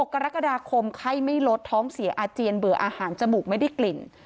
กรกฎาคมไข้ไม่ลดท้องเสียอาเจียนเบื่ออาหารจมูกไม่ได้กลิ่น